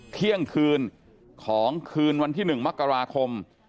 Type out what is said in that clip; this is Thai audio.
เที่ยงคืนของคืนวันที่๑มกราคม